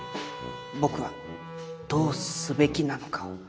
僕はどうすべきなのかを。